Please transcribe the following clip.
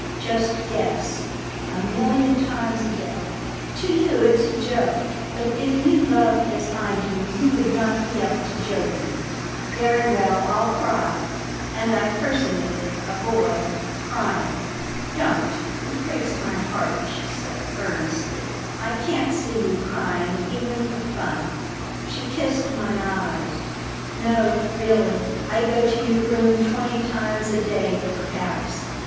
Just guess." "A million times a day." "To you it's a joke. But if you loved as I do you would not be up to joking." "Very well, I'll cry." And I personated a boy crying. "Don't. It breaks my heart," she said, earnestly. "I can't see you crying even for fun." She kissed my eyes. "No, really, I go to your room twenty times a day, perhaps.